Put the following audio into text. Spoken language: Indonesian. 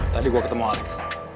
tadi gue ketemu alex